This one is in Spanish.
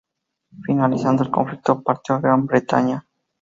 Finalizado el conflicto partió a Gran Bretaña.